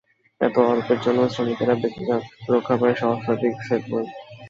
এতে অল্পের জন্য শ্রমিকেরা বেঁচে যান, রক্ষা পায় সহস্রাধিক সেট বই।